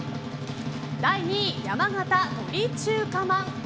第２位、山形・鳥中華まん。